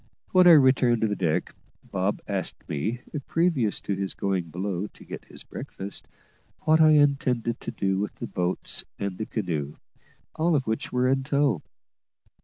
When I returned to the deck, Bob asked me, previous to his going below to get his breakfast, what I intended to do with, the boats and the canoe, all of which were in tow.